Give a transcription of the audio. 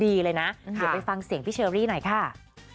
เดี๋ยวไปฟังเสียงพี่เชอรี่หน่อยค่ะ